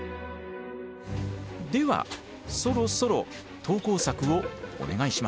ではそろそろ投稿作をお願いします。